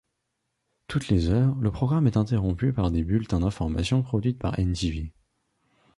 Toutes les heures, le programme est interrompu par des bulletins d'information produites par n-tv.